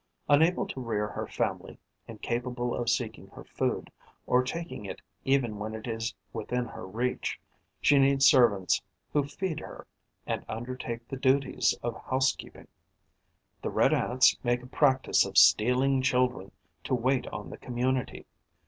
Unable to rear her family, incapable of seeking her food, of taking it even when it is within her reach, she needs servants who feed her and undertake the duties of housekeeping. The Red Ants make a practice of stealing children to wait on the community.